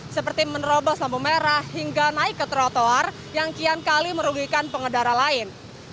seperti menerobos lampu merah hingga naik ke trotoar yang kian kali merugikan pengendara lain